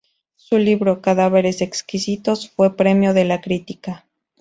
Su libro "Cadáveres exquisitos" fue Premio de la Crítica.